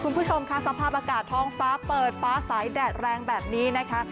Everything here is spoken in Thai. คุณผู้ชมค่ะสภาพอากาศท้องฟ้าเปิดฟ้าสายแดดแรงแบบนี้นะคะ